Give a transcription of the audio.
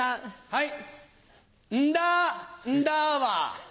はい。